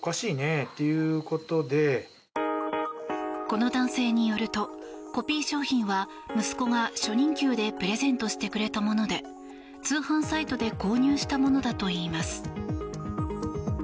この男性によるとコピー商品は息子が初任給でプレゼントしてくれたもので通販サイトで購入したものだといいます。